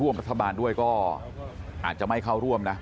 รัฐบาลด้วยก็อาจจะไม่เข้าร่วมนะ